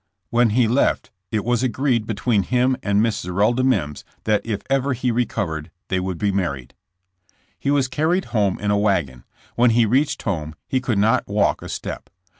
"WTien he left it was agreed between him and Miss Zerelda Mimms that if ever he recovered, they would be married. He was carried home in a wagon. When he reached home he could not walk a step.